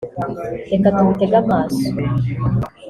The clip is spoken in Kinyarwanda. Reka tubitege amaso